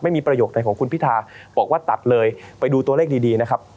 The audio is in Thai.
ประโยคใดของคุณพิทาบอกว่าตัดเลยไปดูตัวเลขดีดีนะครับ